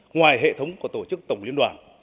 ngoài hệ thống của tổ chức tổng liên đoàn